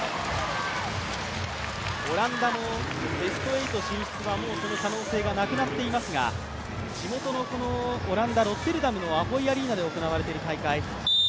オランダもベスト８進出は、もうその可能性はなくなっていますが地元のオランダ、ロッテルダムのアホイ・アリーナで行われている大会。